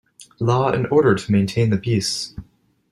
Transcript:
Law and order to maintain the peace.